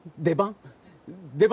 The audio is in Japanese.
出番？